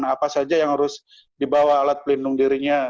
apa saja yang harus dibawa alat pelindung dirinya